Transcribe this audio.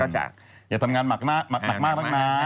อย่าทำงานหนักหนักมากมากน้า